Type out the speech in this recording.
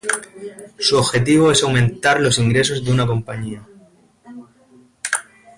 Su objetivo es aumentar los ingresos de una compañía.